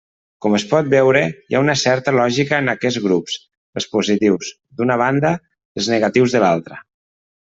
Com es pot veure, hi ha una certa lògica en aquests grups, els positius, d'una banda, i els negatius de l'altra.